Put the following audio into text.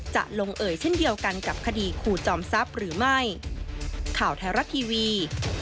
จะลงเอ่ยเช่นเดียวกันกับคดีครูจอมทรัพย์หรือไม่